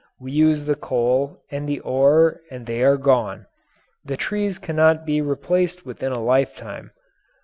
We use the coal and the ore and they are gone; the trees cannot be replaced within a lifetime.